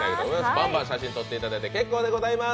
バンバン写真撮っていただいて結構でございます。